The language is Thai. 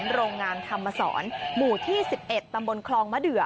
โรงงานธรรมศรหมู่ที่๑๑ตำบลคลองมะเดือ